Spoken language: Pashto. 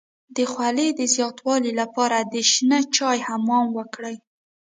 د خولې د زیاتوالي لپاره د شنه چای حمام وکړئ